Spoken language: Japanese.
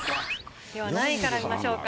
では何位から見ましょうか？